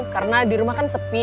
karena di rumah kan sepi